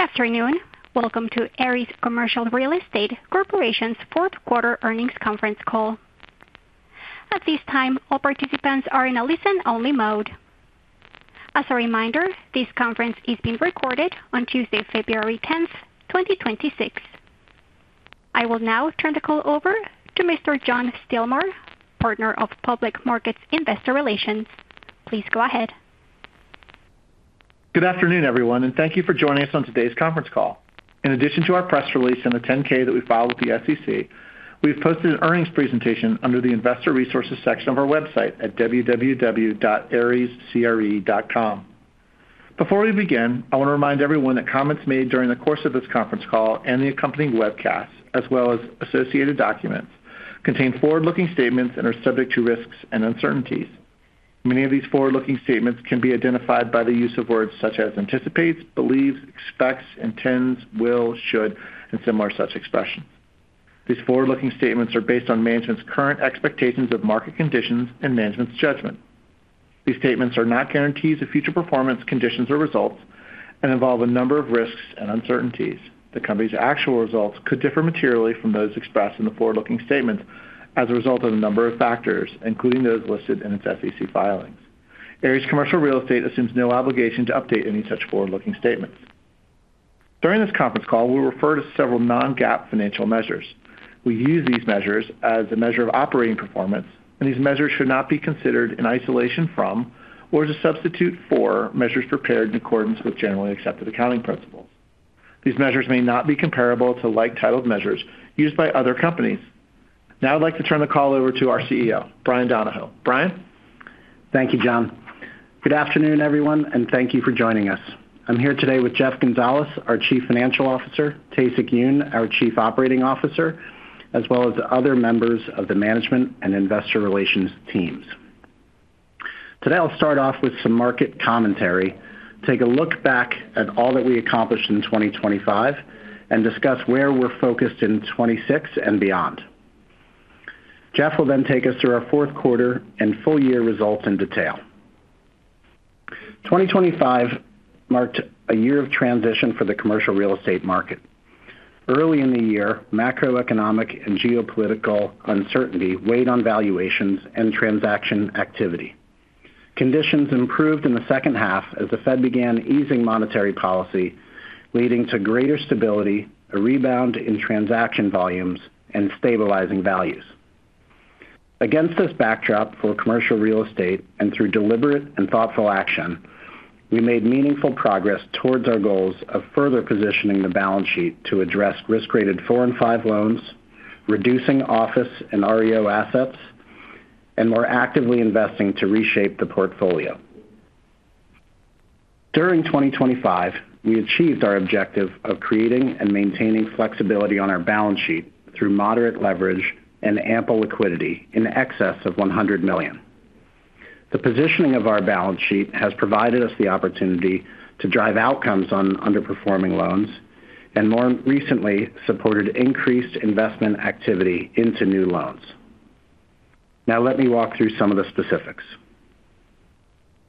Good afternoon. Welcome to Ares Commercial Real Estate Corporation's fourth quarter earnings conference call. At this time, all participants are in a listen-only mode. As a reminder, this conference is being recorded on Tuesday, February 10,. I will now turn the call over to Mr. John Stilmar, Partner of Public Markets Investor Relations. Please go ahead. Good afternoon, everyone, and thank you for joining us on today's conference call. In addition to our press release and the 10-K that we filed with the SEC, we've posted an earnings presentation under the Investor Resources section of our website at www.arescre.com. Before we begin, I want to remind everyone that comments made during the course of this conference call and the accompanying webcast, as well as associated documents, contain forward-looking statements and are subject to risks and uncertainties. Many of these forward-looking statements can be identified by the use of words such as anticipates, believes, expects, intends, will, should, and similar such expressions. These forward-looking statements are based on management's current expectations of market conditions and management's judgment. These statements are not guarantees of future performance, conditions, or results and involve a number of risks and uncertainties. The company's actual results could differ materially from those expressed in the forward-looking statements as a result of a number of factors, including those listed in its SEC filings. Ares Commercial Real Estate assumes no obligation to update any such forward-looking statements. During this conference call, we'll refer to several non-GAAP financial measures. We use these measures as a measure of operating performance, and these measures should not be considered in isolation from or as a substitute for measures prepared in accordance with generally accepted accounting principles. These measures may not be comparable to like-titled measures used by other companies. Now I'd like to turn the call over to our CEO, Bryan Donohoe. Bryan? Thank you, John. Good afternoon, everyone, and thank you for joining us. I'm here today with Jeff Gonzales, our Chief Financial Officer, Tae-Sik Yoon, our Chief Operating Officer, as well as other members of the management and investor relations teams. Today, I'll start off with some market commentary, take a look back at all that we accomplished in 2025, and discuss where we're focused in 2026 and beyond. Jeff will then take us through our fourth quarter and full year results in detail. 2025 marked a year of transition for the commercial real estate market. Early in the year, macroeconomic and geopolitical uncertainty weighed on valuations and transaction activity. Conditions improved in the second half as the Fed began easing monetary policy, leading to greater stability, a rebound in transaction volumes, and stabilizing values. Against this backdrop for commercial real estate and through deliberate and thoughtful action, we made meaningful progress towards our goals of further positioning the balance sheet to address risk-rated 4 and 5 loans, reducing office and OREO assets, and more actively investing to reshape the portfolio. During 2025, we achieved our objective of creating and maintaining flexibility on our balance sheet through moderate leverage and ample liquidity in excess of $100 million. The positioning of our balance sheet has provided us the opportunity to drive outcomes on underperforming loans and more recently, supported increased investment activity into new loans. Now, let me walk through some of the specifics.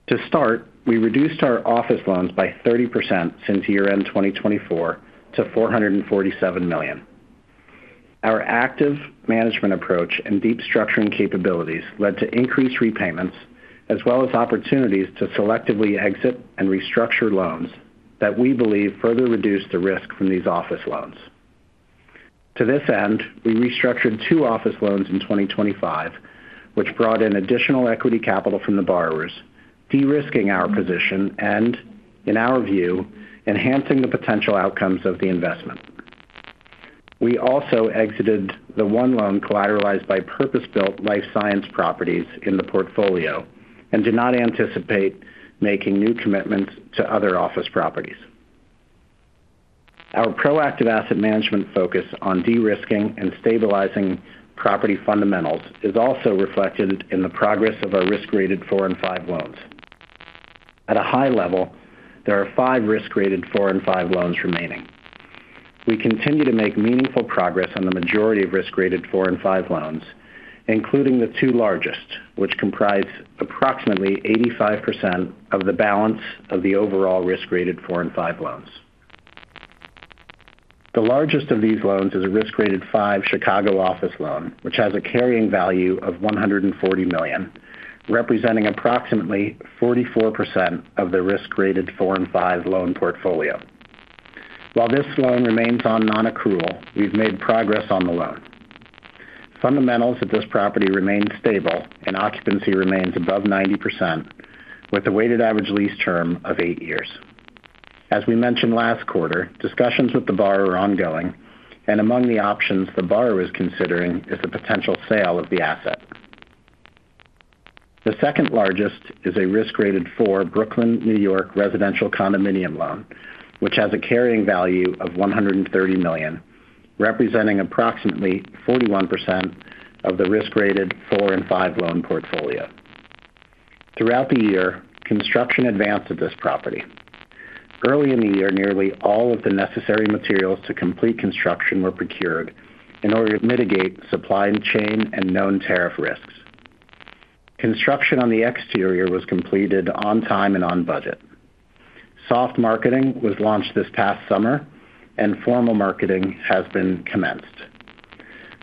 To start, we reduced our office loans by 30% since year-end 2024 to $447 million. Our active management approach and deep structuring capabilities led to increased repayments, as well as opportunities to selectively exit and restructure loans that we believe further reduce the risk from these office loans. To this end, we restructured two office loans in 2025, which brought in additional equity capital from the borrowers, de-risking our position, and in our view, enhancing the potential outcomes of the investment. We also exited the one loan collateralized by purpose-built life science properties in the portfolio and do not anticipate making new commitments to other office properties. Our proactive asset management focus on de-risking and stabilizing property fundamentals is also reflected in the progress of our risk-rated 4 and 5 loans. At a high level, there are five risk-rated 4 and 5 loans remaining. We continue to make meaningful progress on the majority of risk-rated 4 and 5 loans, including the two largest, which comprise approximately 85% of the balance of the overall risk-rated 4 and 5 loans. The largest of these loans is a risk-rated 5 Chicago office loan, which has a carrying value of $140 million, representing approximately 44% of the risk-rated 4 and 5 loan portfolio. While this loan remains on non-accrual, we've made progress on the loan. Fundamentals of this property remain stable and occupancy remains above 90%, with a weighted average lease term of 8 years. As we mentioned last quarter, discussions with the borrower are ongoing, and among the options the borrower is considering is the potential sale of the asset. The second largest is a Risk-Rated 4 Brooklyn, New York, residential condominium loan, which has a carrying value of $130 million, representing approximately 41% of the Risk-Rated 4 and 5 loan portfolio. Throughout the year, construction advanced at this property. Early in the year, nearly all of the necessary materials to complete construction were procured in order to mitigate supply chain and known tariff risks. Construction on the exterior was completed on time and on budget. Soft marketing was launched this past summer, and formal marketing has been commenced.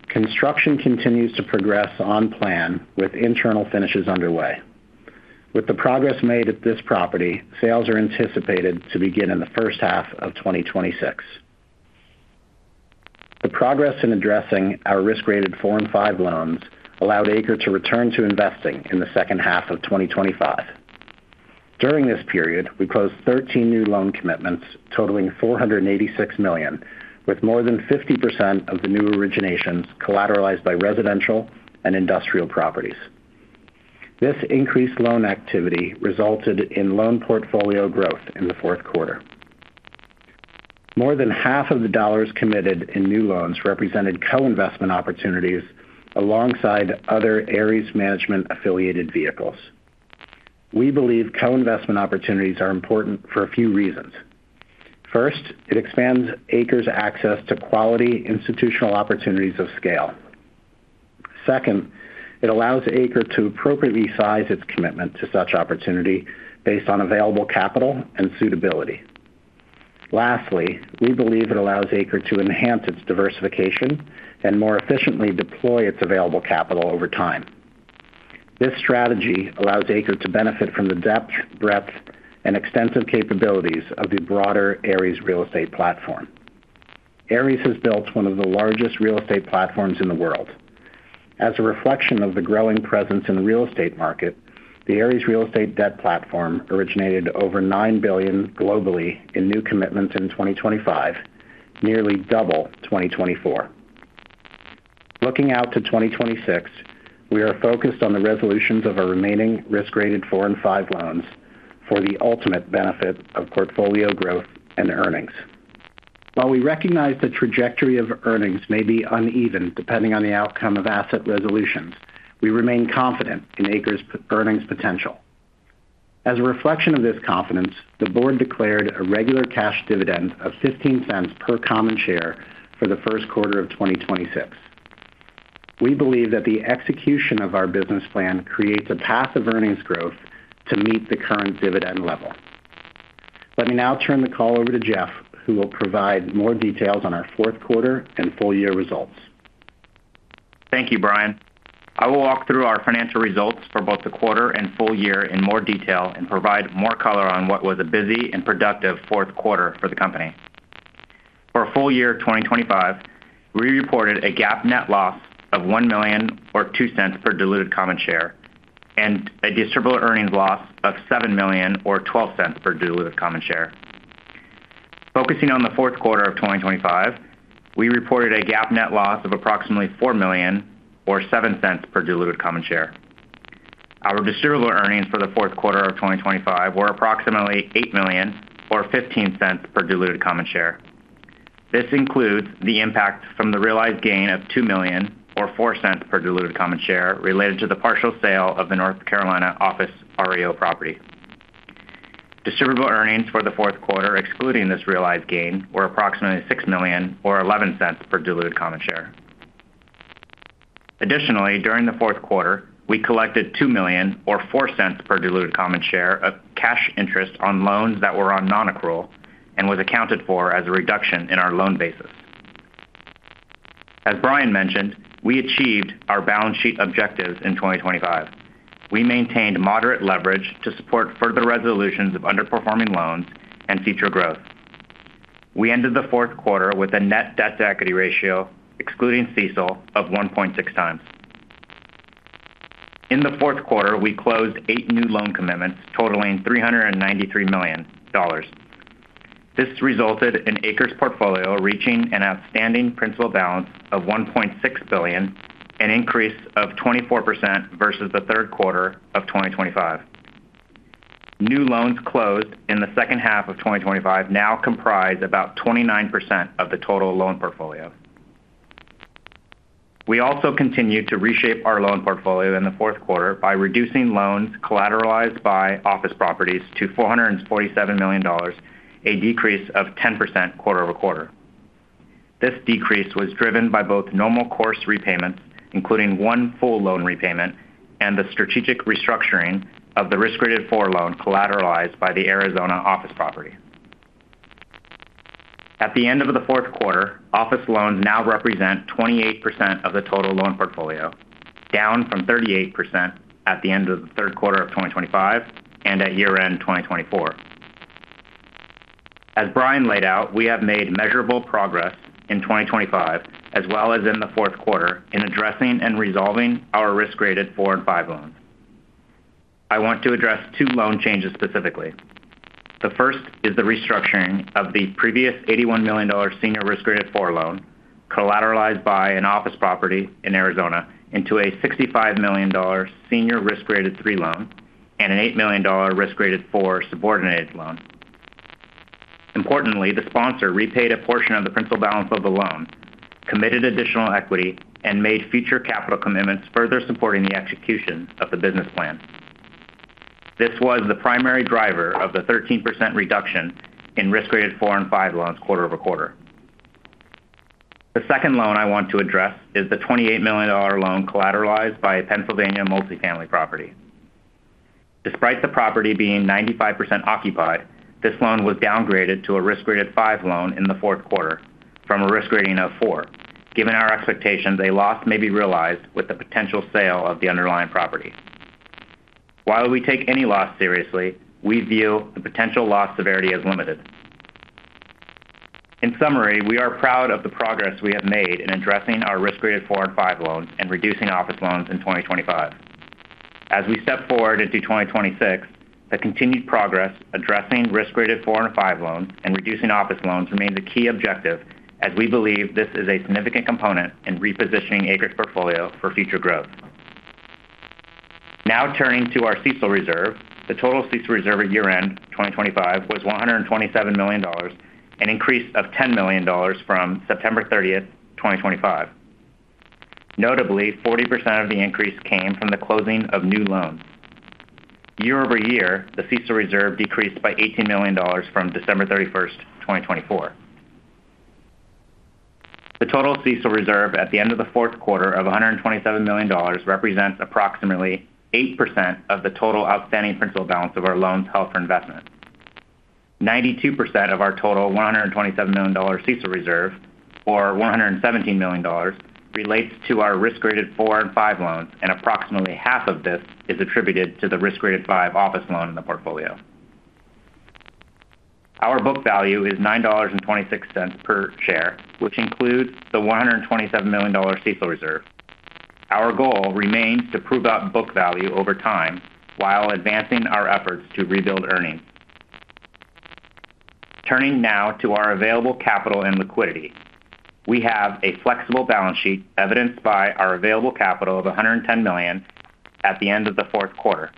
Construction continues to progress on plan, with internal finishes underway. With the progress made at this property, sales are anticipated to begin in the first half of 2026. The progress in addressing our Risk-Rated 4 and 5 loans allowed ACRE to return to investing in the second half of 2025. During this period, we closed 13 new loan commitments totaling $486 million, with more than 50% of the new originations collateralized by residential and industrial properties. This increased loan activity resulted in loan portfolio growth in the fourth quarter. More than half of the dollars committed in new loans represented co-investment opportunities alongside other Ares Management affiliated vehicles. We believe co-investment opportunities are important for a few reasons. First, it expands ACRE's access to quality institutional opportunities of scale. Second, it allows ACRE to appropriately size its commitment to such opportunity based on available capital and suitability. Lastly, we believe it allows ACRE to enhance its diversification and more efficiently deploy its available capital over time. This strategy allows ACRE to benefit from the depth, breadth, and extensive capabilities of the broader Ares Real Estate platform. Ares has built one of the largest real estate platforms in the world. As a reflection of the growing presence in the real estate market, the Ares Real Estate debt platform originated over $9 billion globally in new commitments in 2025, nearly double 2024. Looking out to 2026, we are focused on the resolutions of our remaining Risk-Rated 4 and 5 loans for the ultimate benefit of portfolio growth and earnings. While we recognize the trajectory of earnings may be uneven, depending on the outcome of asset resolutions, we remain confident in ACRE's earnings potential. As a reflection of this confidence, the board declared a regular cash dividend of $0.15 per common share for the first quarter of 2026. We believe that the execution of our business plan creates a path of earnings growth to meet the current dividend level. Let me now turn the call over to Jeff, who will provide more details on our fourth quarter and full year results. Thank you, Bryan. I will walk through our financial results for both the quarter and full year in more detail and provide more color on what was a busy and productive fourth quarter for the company. For full year 2025, we reported a GAAP net loss of $1 million or $0.02 per diluted common share, and a distributable earnings loss of $7 million or $0.12 per diluted common share. Focusing on the fourth quarter of 2025, we reported a GAAP net loss of approximately $4 million or $0.07 per diluted common share. Our distributable earnings for the fourth quarter of 2025 were approximately $8 million or $0.15 per diluted common share. This includes the impact from the realized gain of $2 million or $0.04 per diluted common share related to the partial sale of the North Carolina office OREO property. Distributable Earnings for the fourth quarter, excluding this realized gain, were approximately $6 million or $0.11 per diluted common share. Additionally, during the fourth quarter, we collected $2 million or $0.04 per diluted common share of cash interest on loans that were on non-accrual and was accounted for as a reduction in our loan basis. As Bryan mentioned, we achieved our balance sheet objectives in 2025. We maintained moderate leverage to support further resolutions of underperforming loans and future growth. We ended the fourth quarter with a Net Debt-to-Equity Ratio, excluding CECL, of 1.6x. In the fourth quarter, we closed 8 new loan commitments totaling $393 million. This resulted in ACRE's portfolio reaching an outstanding principal balance of $1.6 billion, an increase of 24% versus the third quarter of 2025. New loans closed in the second half of 2025 now comprise about 29% of the total loan portfolio. We also continued to reshape our loan portfolio in the fourth quarter by reducing loans collateralized by office properties to $447 million, a decrease of 10% quarter-over-quarter. This decrease was driven by both normal course repayments, including one full loan repayment, and the strategic restructuring of the risk-rated 4 loan collateralized by the Arizona office property. At the end of the fourth quarter, office loans now represent 28% of the total loan portfolio, down from 38% at the end of the third quarter of 2025 and at year-end 2024. As Bryan laid out, we have made measurable progress in 2025, as well as in the fourth quarter, in addressing and resolving our risk-rated 4 and 5 loans. I want to address two loan changes specifically. The first is the restructuring of the previous $81 million senior risk-rated 4 loan, collateralized by an office property in Arizona into a $65 million senior risk-rated 3 loan and an $8 million risk-rated 4 subordinated loan. Importantly, the sponsor repaid a portion of the principal balance of the loan, committed additional equity, and made future capital commitments, further supporting the execution of the business plan. This was the primary driver of the 13% reduction in risk-rated 4 and 5 loans quarter-over-quarter. The second loan I want to address is the $28 million loan collateralized by a Pennsylvania multifamily property. Despite the property being 95% occupied, this loan was downgraded to a risk-rated 5 loan in the fourth quarter from a risk rating of 4, given our expectations, a loss may be realized with the potential sale of the underlying property. While we take any loss seriously, we view the potential loss severity as limited. In summary, we are proud of the progress we have made in addressing our risk-rated 4 and 5 loans and reducing office loans in 2025. As we step forward into 2026, the continued progress addressing risk-rated 4 and 5 loans and reducing office loans remains a key objective, as we believe this is a significant component in repositioning ACRE's portfolio for future growth. Now turning to our CECL reserve. The total CECL reserve at year-end 2025 was $127 million, an increase of $10 million from September 30, 2025. Notably, 40% of the increase came from the closing of new loans. Year-over-year, the CECL reserve decreased by $18 million from December 31, 2024. The total CECL reserve at the end of the fourth quarter of $127 million represents approximately 8% of the total outstanding principal balance of our loans held for investment. 92% of our total $127 million CECL reserve, or $117 million, relates to our risk-rated 4 and 5 loans, and approximately half of this is attributed to the risk-rated 5 office loan in the portfolio. Our book value is $9.26 per share, which includes the $127 million CECL reserve. Our goal remains to prove out book value over time while advancing our efforts to rebuild earnings. Turning now to our available capital and liquidity. We have a flexible balance sheet, evidenced by our available capital of $110 million at the end of the fourth quarter.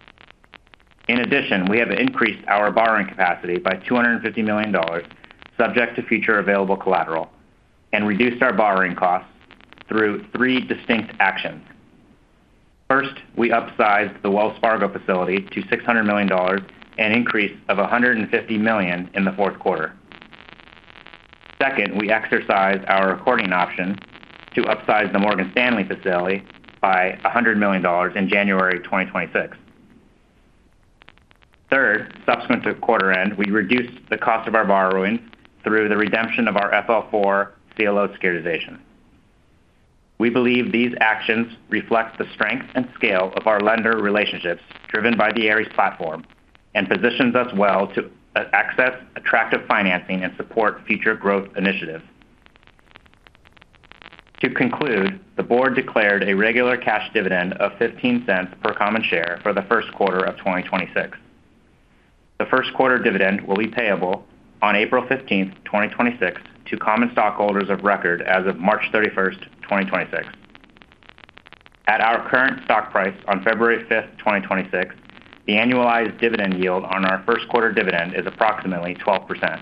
In addition, we have increased our borrowing capacity by $250 million, subject to future available collateral, and reduced our borrowing costs through three distinct actions. First, we upsized the Wells Fargo Facility to $600 million, an increase of $150 million in the fourth quarter. Second, we exercised our accordion option to upsize the Morgan Stanley Facility by $100 million in January 2026. Third, subsequent to quarter end, we reduced the cost of our borrowing through the redemption of our FL4 CLO securitization. We believe these actions reflect the strength and scale of our lender relationships, driven by the Ares platform, and positions us well to access attractive financing and support future growth initiatives. To conclude, the board declared a regular cash dividend of $0.15 per common share for the first quarter of 2026. The first quarter dividend will be payable on April 15th, 2026, to common stockholders of record as of March 31st, 2026. At our current stock price on February 5th, 2026, the annualized dividend yield on our first quarter dividend is approximately 12%.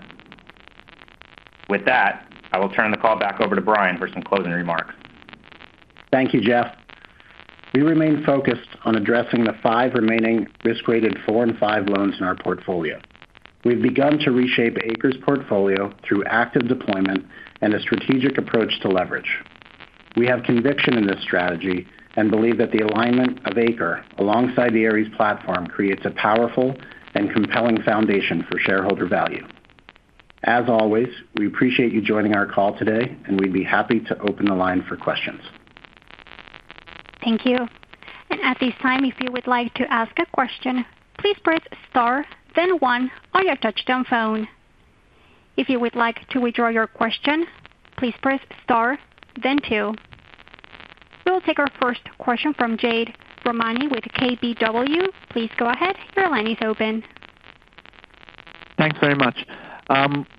With that, I will turn the call back over to Bryan for some closing remarks. Thank you, Jeff. We remain focused on addressing the five remaining risk-rated four and five loans in our portfolio. We've begun to reshape ACRE's portfolio through active deployment and a strategic approach to leverage. We have conviction in this strategy and believe that the alignment of ACRE alongside the Ares platform creates a powerful and compelling foundation for shareholder value. As always, we appreciate you joining our call today, and we'd be happy to open the line for questions. Thank you. At this time, if you would like to ask a question, please press Star, then one on your touchtone phone. If you would like to withdraw your question, please press Star, then two. We'll take our first question from Jade Rahmani with KBW. Please go ahead. Your line is open. Thanks very much.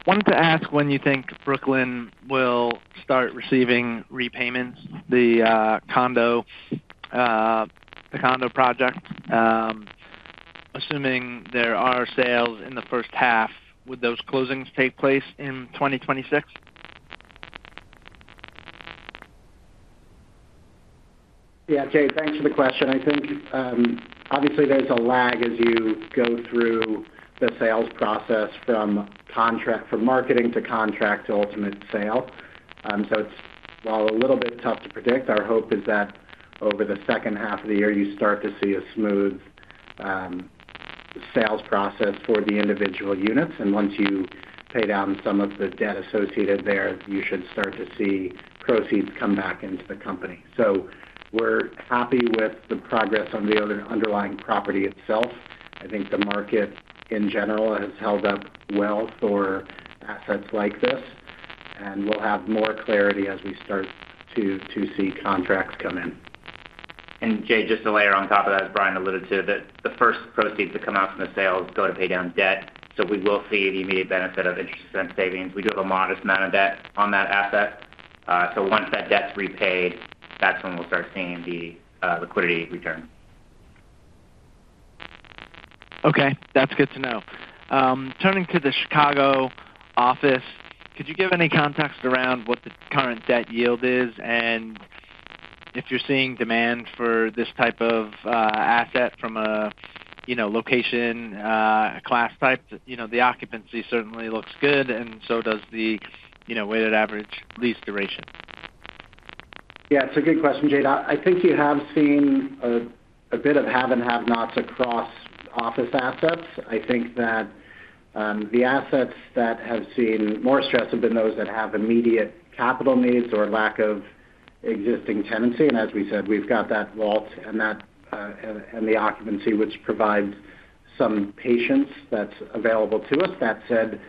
Wanted to ask when you think Brooklyn will start receiving repayments, the condo project. Assuming there are sales in the first half, would those closings take place in 2026? Yeah, Jade, thanks for the question. I think, obviously, there's a lag as you go through the sales process from marketing to contract to ultimate sale. So it's, while a little bit tough to predict, our hope is that over the second half of the year, you start to see a smooth sales process for the individual units, and once you pay down some of the debt associated there, you should start to see proceeds come back into the company. So we're happy with the progress on the underlying property itself. I think the market in general has held up well for assets like this, and we'll have more clarity as we start to, to see contracts come in. And Jade, just to layer on top of that, as Bryan alluded to, that the first proceeds to come out from the sales go to pay down debt, so we will see the immediate benefit of interest and savings. We do have a modest amount of debt on that asset. So once that debt's repaid, that's when we'll start seeing the liquidity return. Okay, that's good to know. Turning to the Chicago office, could you give any context around what the current debt yield is and if you're seeing demand for this type of asset from a, you know, location, class type, you know, the occupancy certainly looks good, and so does the, you know, weighted average lease duration. Yeah, it's a good question, Jade. I, I think you have seen a, a bit of have and have-nots across office assets. I think that, the assets that have seen more stress have been those that have immediate capital needs or lack of existing tenancy, and as we said, we've got that WALT and that, and, and the occupancy, which provides some patience that's available to us. That said,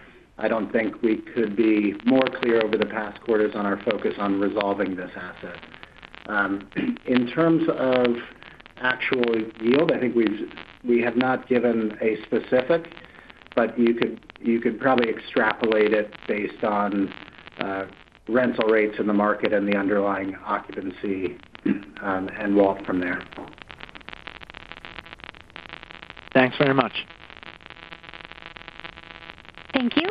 I don't think we could be more clear over the past quarters on our focus on resolving this asset. In terms of actual yield, I think we've, we have not given a specific, but you could, you could probably extrapolate it based on, rental rates in the market and the underlying occupancy, and WALT from there. Thanks very much. Thank you.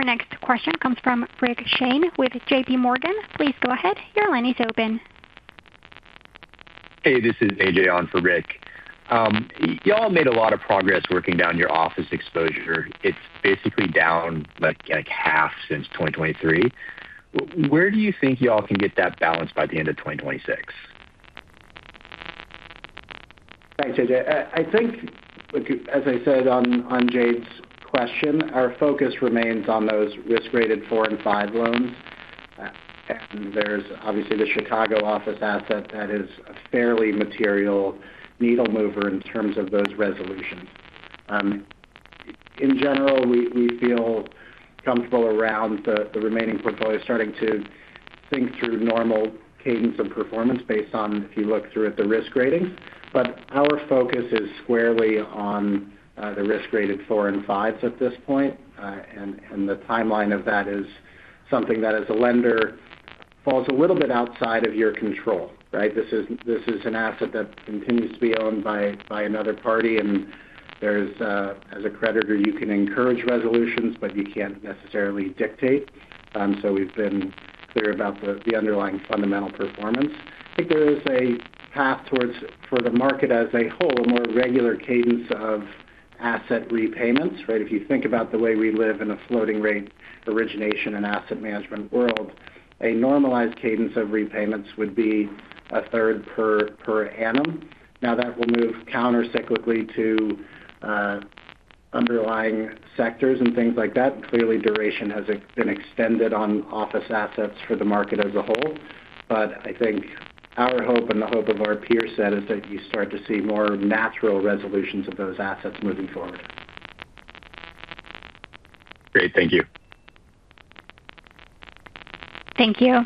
Our next question comes from Rick Shane with J.P. Morgan. Please go ahead. Your line is open. Hey, this is AJ on for Rick. You all made a lot of progress working down your office exposure. It's basically down, like, half since 2023. Where do you think you all can get that balanced by the end of 2026? Thanks, AJ. I think, look, as I said on Jade's question, our focus remains on those risk-rated 4 and 5 loans. And there's obviously the Chicago office asset that is a fairly material needle mover in terms of those resolutions. In general, we feel comfortable around the remaining portfolio, starting to think through normal cadence of performance based on if you look through at the risk rating. But our focus is squarely on the risk-rated 4 and 5s at this point. And the timeline of that is something that, as a lender, falls a little bit outside of your control, right? This is an asset that continues to be owned by another party, and as a creditor, you can encourage resolutions, but you can't necessarily dictate. So we've been clear about the underlying fundamental performance. I think there is a path towards, for the market as a whole, more regular cadence of asset repayments, right? If you think about the way we live in a floating rate, origination and asset management world, a normalized cadence of repayments would be a third per annum. Now, that will move countercyclically to underlying sectors and things like that. Clearly, duration has extended on office assets for the market as a whole. But I think our hope and the hope of our peer set is that you start to see more natural resolutions of those assets moving forward. Great. Thank you. Thank you.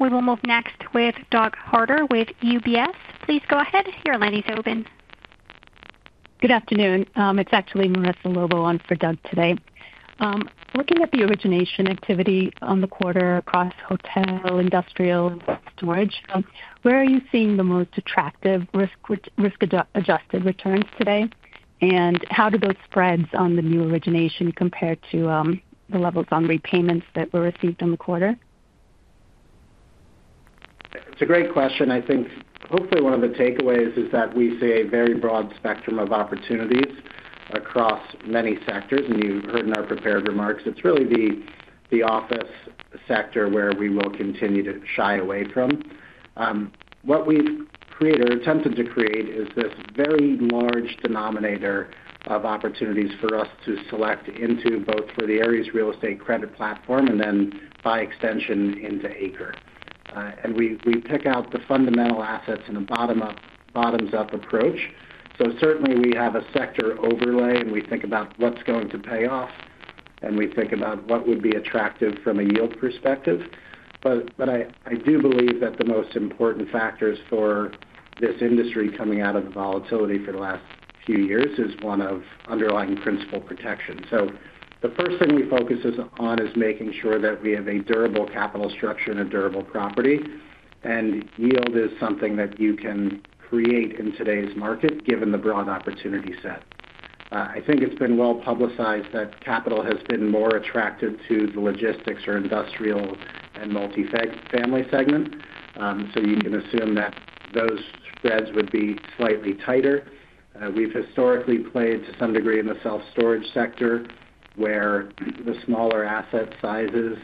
We will move next with Doug Harter with UBS. Please go ahead. Your line is open. Good afternoon. It's actually Marissa Lobo on for Doug today. Looking at the origination activity on the quarter across hotel, industrial, and storage, where are you seeing the most attractive risk-adjusted returns today? And how do those spreads on the new origination compare to the levels on repayments that were received in the quarter? It's a great question. I think hopefully one of the takeaways is that we see a very broad spectrum of opportunities across many sectors, and you've heard in our prepared remarks, it's really the office sector where we will continue to shy away from. What we've created or attempted to create is this very large denominator of opportunities for us to select into, both for the Ares Real Estate credit platform and then, by extension, into ACRE. And we pick out the fundamental assets in a bottoms-up approach. So certainly we have a sector overlay, and we think about what's going to pay off, and we think about what would be attractive from a yield perspective. But I do believe that the most important factors for this industry coming out of the volatility for the last few years is one of underlying principle protection. So the first thing we focus on is making sure that we have a durable capital structure and a durable property, and yield is something that you can create in today's market, given the broad opportunity set. I think it's been well publicized that capital has been more attractive to the logistics or industrial and multifamily segment. So you can assume that those spreads would be slightly tighter. We've historically played to some degree in the self-storage sector, where the smaller asset sizes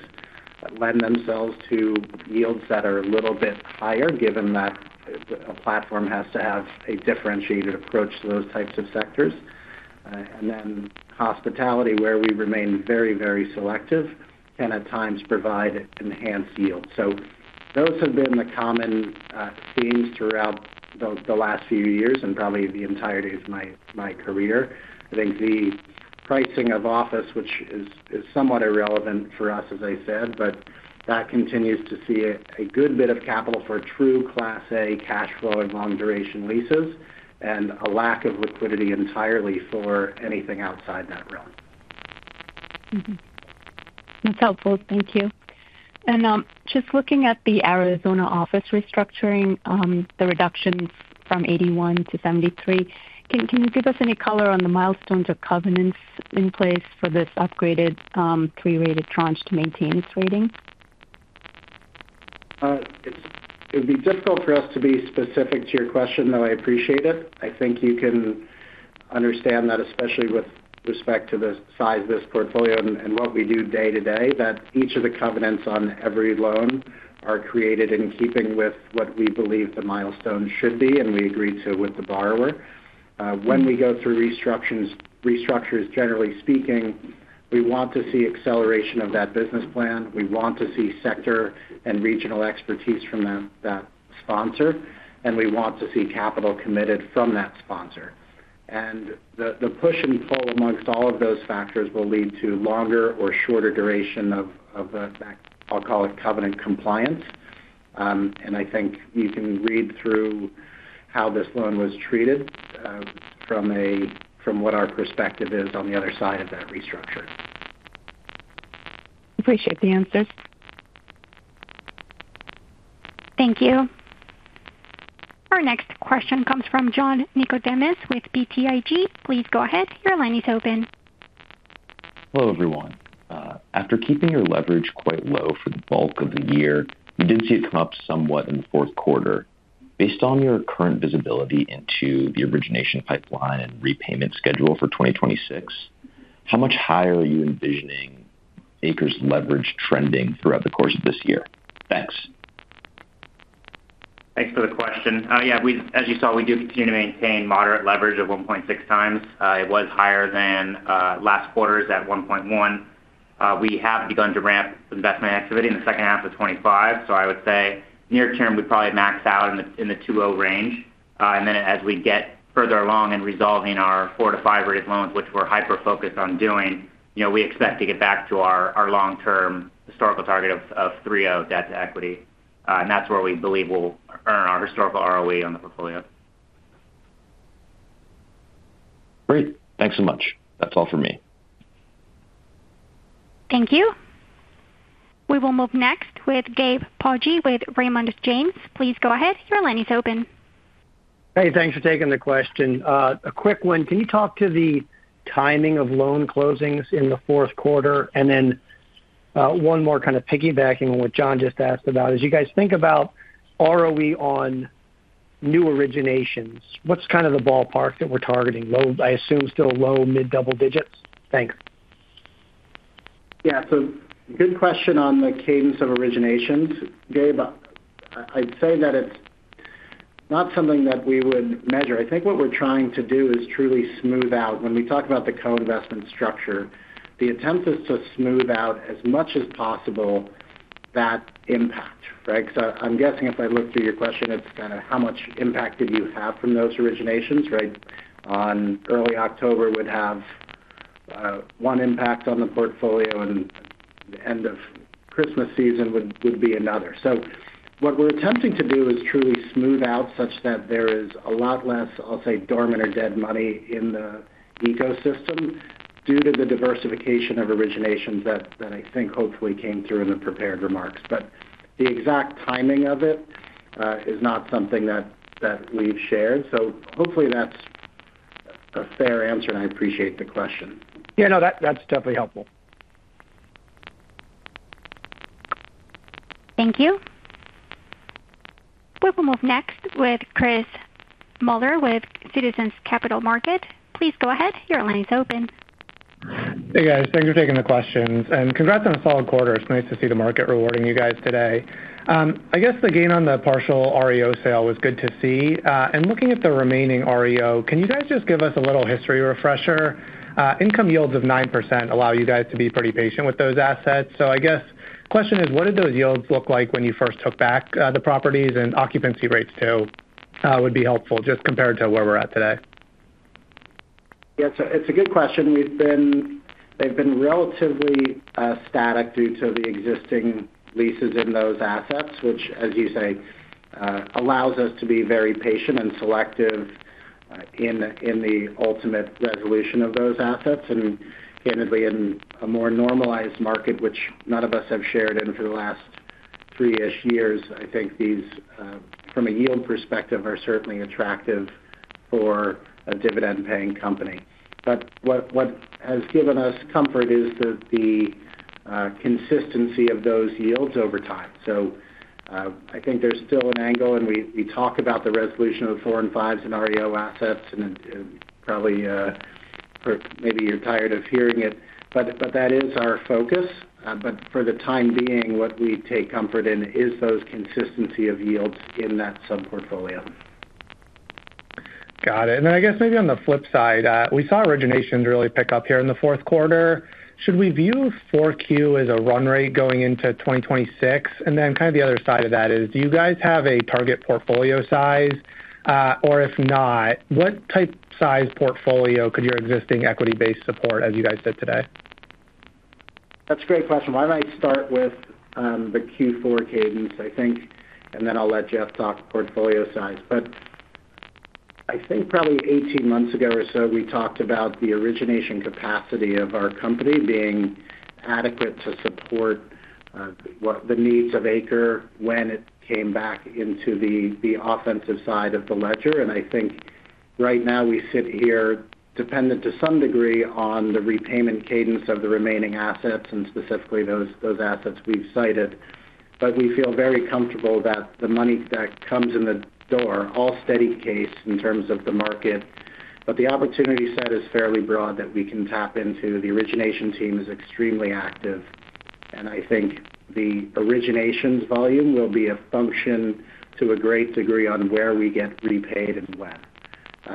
lend themselves to yields that are a little bit higher, given that a platform has to have a differentiated approach to those types of sectors. And then hospitality, where we remain very, very selective and at times provide enhanced yield. So those have been the common themes throughout the last few years and probably the entirety of my career. I think the pricing of office, which is somewhat irrelevant for us, as I said, but that continues to see a good bit of capital for true Class A cash flow and long-duration leases, and a lack of liquidity entirely for anything outside that realm. Mm-hmm. That's helpful. Thank you. Just looking at the Arizona office restructuring, the reductions from 81 to 73, can you give us any color on the milestones or covenants in place for this upgraded risk-rated tranche to maintain its rating? It would be difficult for us to be specific to your question, though I appreciate it. I think you can understand that, especially with respect to the size of this portfolio and what we do day-to-day, that each of the covenants on every loan are created in keeping with what we believe the milestone should be, and we agree to with the borrower. When we go through restructures, generally speaking, we want to see acceleration of that business plan. We want to see sector and regional expertise from that sponsor, and we want to see capital committed from that sponsor. And the push and pull amongst all of those factors will lead to longer or shorter duration of that I'll call it, covenant compliance. I think you can read through how this loan was treated, from what our perspective is on the other side of that restructure. Appreciate the answer. Thank you. Our next question comes from John Nickodemus with BTIG. Please go ahead, your line is open. Hello, everyone. After keeping your leverage quite low for the bulk of the year, we did see it come up somewhat in the fourth quarter. Based on your current visibility into the origination pipeline and repayment schedule for 2026, how much higher are you envisioning ACRE's leverage trending throughout the course of this year? Thanks. Thanks for the question. Yeah, we—as you saw, we do continue to maintain moderate leverage of 1.6x. It was higher than last quarter's at 1.1. We have begun to ramp investment activity in the second half of 2025. So I would say near term, we probably max out in the 2.0 range. And then as we get further along in resolving our 4-5 rated loans, which we're hyper-focused on doing, you know, we expect to get back to our long-term historical target of 3.0 debt-to-equity. And that's where we believe we'll earn our historical OROE on the portfolio. Great. Thanks so much. That's all for me. Thank you. We will move next with Gabe Poggi, with Raymond James. Please go ahead. Your line is open. Hey, thanks for taking the question. A quick one. Can you talk to the timing of loan closings in the fourth quarter? And then, one more kind of piggybacking on what John just asked about, as you guys think about OROE on new originations, what's kind of the ballpark that we're targeting? Low—I assume still low, mid-double digits. Thanks. Yeah. So good question on the cadence of originations, Gabe. I'd say that it's not something that we would measure. I think what we're trying to do is truly smooth out. When we talk about the co-investment structure, the attempt is to smooth out as much as possible that impact, right? So I'm guessing if I look through your question, it's kind of how much impact did you have from those originations, right? On early October would have one impact on the portfolio and end of Christmas season would be another. So what we're attempting to do is truly smooth out such that there is a lot less, I'll say, dormant or dead money in the ecosystem due to the diversification of originations that I think hopefully came through in the prepared remarks. But the exact timing of it is not something that we've shared. Hopefully that's a fair answer, and I appreciate the question. Yeah, no, that, that's definitely helpful. Thank you. We will move next with Chris Muller, with Citizens Capital Markets. Please go ahead. Your line is open. Hey, guys, thank you for taking the questions and congrats on a solid quarter. It's nice to see the market rewarding you guys today. I guess the gain on the partial OREO sale was good to see. And looking at the remaining OREO, can you guys just give us a little history refresher? Income yields of 9% allow you guys to be pretty patient with those assets. So I guess question is, what did those yields look like when you first took back the properties and occupancy rates too would be helpful just compared to where we're at today? Yeah, it's a good question. They've been relatively static due to the existing leases in those assets, which, as you say, allows us to be very patient and selective in the ultimate resolution of those assets. And candidly, in a more normalized market, which none of us have shared in for the last three-ish years, I think these, from a yield perspective, are certainly attractive for a dividend-paying company. But what has given us comfort is the consistency of those yields over time. So, I think there's still an angle, and we talk about the resolution of the four and fives in OREO assets, and then, probably, for maybe you're tired of hearing it, but that is our focus. But for the time being, what we take comfort in is those consistency of yields in that sub-portfolio. Got it. And then I guess maybe on the flip side, we saw originations really pick up here in the fourth quarter. Should we view 4Q as a run rate going into 2026? And then kind of the other side of that is, do you guys have a target portfolio size? Or if not, what type size portfolio could your existing equity base support, as you guys did today? That's a great question. Well, I might start with the Q4 cadence, I think, and then I'll let Jeff talk portfolio size. But I think probably 18 months ago or so, we talked about the origination capacity of our company being adequate to support what the needs of ACRE when it came back into the offensive side of the ledger. And I think right now, we sit here dependent to some degree on the repayment cadence of the remaining assets, and specifically those assets we've cited. But we feel very comfortable that the money that comes in the door all steady case in terms of the market. But the opportunity set is fairly broad that we can tap into. The origination team is extremely active, and I think the originations volume will be a function to a great degree on where we get repaid and when.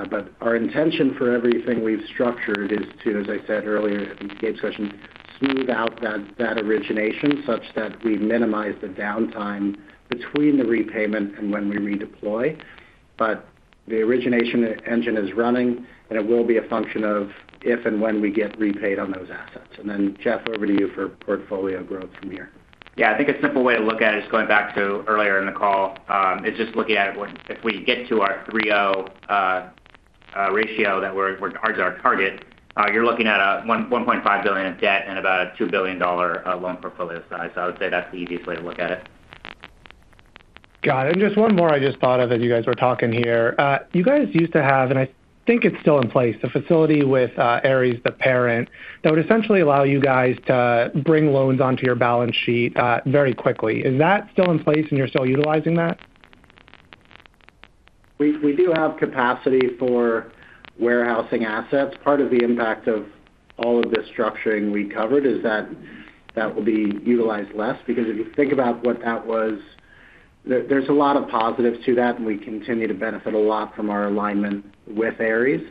But our intention for everything we've structured is to, as I said earlier in the question, smooth out that, that origination such that we minimize the downtime between the repayment and when we redeploy. But the origination engine is running, and it will be a function of if and when we get repaid on those assets. And then, Jeff, over to you for portfolio growth from here. Yeah, I think a simple way to look at it is going back to earlier in the call, is just looking at it, if we get to our 3.0 ratio that we're, that's our target, you're looking at a $1.15 billion of debt and about $2 billion loan portfolio size. So I would say that's the easy way to look at it. Got it. Just one more I just thought of as you guys were talking here. You guys used to have, and I think it's still in place, the facility with Ares, the parent, that would essentially allow you guys to bring loans onto your balance sheet very quickly. Is that still in place and you're still utilizing that? We do have capacity for warehousing assets. Part of the impact of all of this structuring we covered is that that will be utilized less. Because if you think about what that was, there's a lot of positives to that, and we continue to benefit a lot from our alignment with Ares.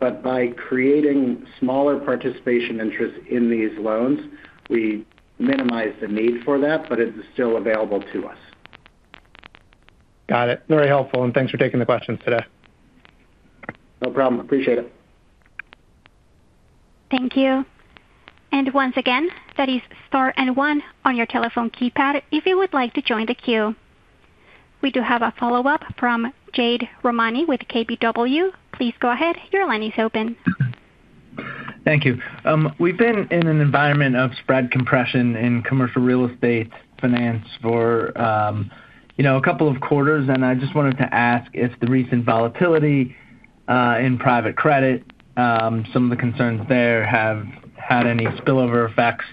But by creating smaller participation interest in these loans, we minimize the need for that, but it's still available to us. Got it. Very helpful, and thanks for taking the questions today. No problem. Appreciate it. Thank you. And once again, that is star and one on your telephone keypad if you would like to join the queue. We do have a follow-up from Jade Rahmani with KBW. Please go ahead. Your line is open. Thank you. We've been in an environment of spread compression in commercial real estate finance for, you know, a couple of quarters, and I just wanted to ask if the recent volatility in private credit, some of the concerns there have had any spillover effects,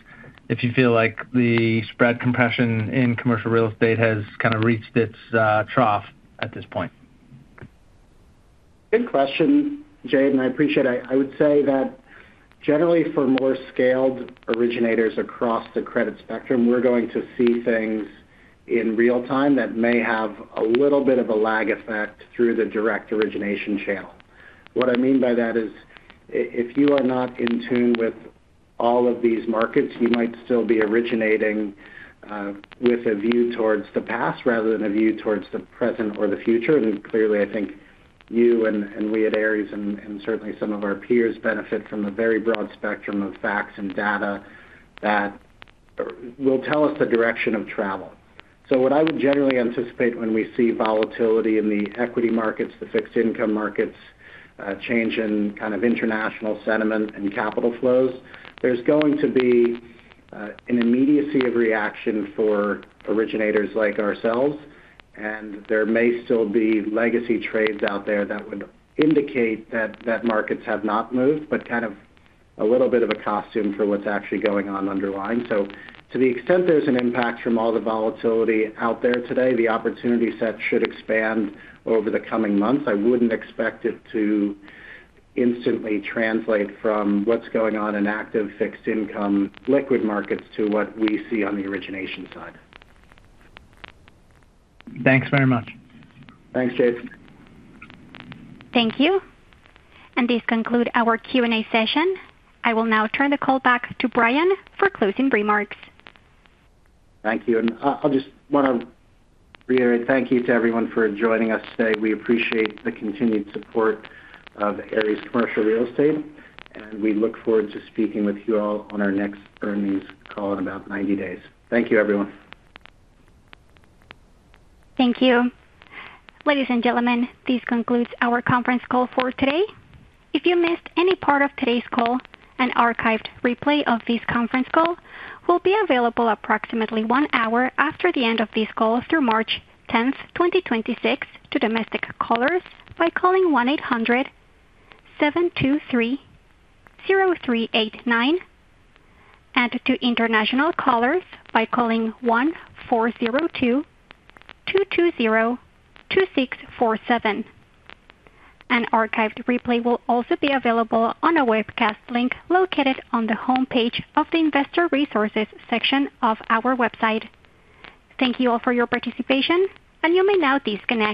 if you feel like the spread compression in commercial real estate has kind of reached its trough at this point? Good question, Jade, and I appreciate it. I, I would say that generally for more scaled originators across the credit spectrum, we're going to see things in real time that may have a little bit of a lag effect through the direct origination channel. What I mean by that is if you are not in tune with all of these markets, you might still be originating with a view towards the past rather than a view towards the present or the future. And clearly, I think you and, and we at Ares and, and certainly some of our peers benefit from a very broad spectrum of facts and data that will tell us the direction of travel. What I would generally anticipate when we see volatility in the equity markets, the fixed income markets, change in kind of international sentiment and capital flows, there's going to be an immediacy of reaction for originators like ourselves, and there may still be legacy trades out there that would indicate that markets have not moved, but kind of a little bit of a cosmetic for what's actually going on underlying. To the extent there's an impact from all the volatility out there today, the opportunity set should expand over the coming months. I wouldn't expect it to instantly translate from what's going on in active fixed income liquid markets to what we see on the origination side. Thanks very much. Thanks, Jade. Thank you. This concludes our Q&A session. I will now turn the call back to Bryan for closing remarks. Thank you. And I, I just wanna reiterate thank you to everyone for joining us today. We appreciate the continued support of Ares Commercial Real Estate, and we look forward to speaking with you all on our next earnings call in about 90 days. Thank you, everyone. Thank you. Ladies and gentlemen, this concludes our conference call for today. If you missed any part of today's call, an archived replay of this conference call will be available approximately one hour after the end of this call through March 10, 2026 to domestic callers by calling 1-800-723-0389, and to international callers by calling 1-402-220-2647. An archived replay will also be available on a webcast link located on the homepage of the Investor Resources section of our website. Thank you all for your participation, and you may now disconnect.